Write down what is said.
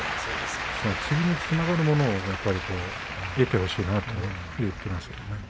次につながるものをやっぱり得てほしいなと思いますね。